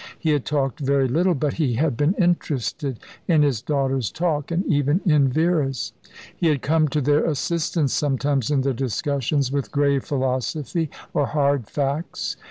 He had talked very little; but he had been interested in his daughter's talk, and even in Vera's. He had come to their assistance sometimes in their discussions, with grave philosophy or hard facts.